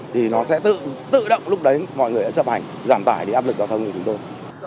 thì nó sẽ tự động lúc đấy mọi người đã chập hành giảm tài đi áp lực giao thông của chúng tôi